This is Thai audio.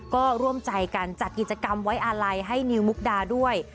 ก็ร่วมใจกันจัดกิจกรรมไว้อาลัยให้นิวมุกดาด้วย